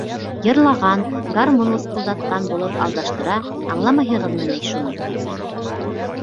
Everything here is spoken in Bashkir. Йырлаған, гармун лысҡылдатҡан булып алдаштыра, аңламайһығыҙмы ни шуны?